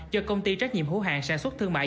do công ty trách nhiệm hữu hàng sản xuất thương mại